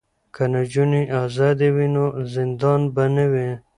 که نجونې ازادې وي نو زندان به نه وي.